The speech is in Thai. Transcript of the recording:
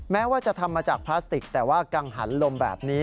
แม้ว่าจะทำมาจากพลาสติกแต่ว่ากังหันลมแบบนี้